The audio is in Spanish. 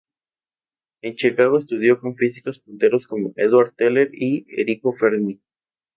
En Chicago estudió con físicos punteros como Edward Teller y Enrico Fermi.